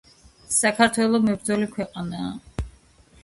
საქართველო მებრძოლი ქვეყანაა